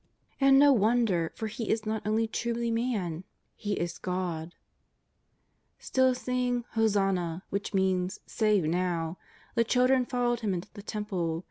And no wonder, for He is not only truly Man — He is God! Still singing " Hosanna !" which means " Save now !'' the children followed Him into the Temple.